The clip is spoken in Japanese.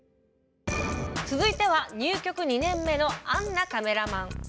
続いては入局２年目のアンナカメラマン。